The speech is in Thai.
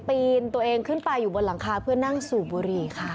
ปีนตัวเองขึ้นไปอยู่บนหลังคาเพื่อนั่งสูบบุหรี่ค่ะ